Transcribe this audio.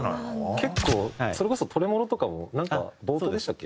結構それこそ『トレモロ』とかもなんか冒頭でしたっけ？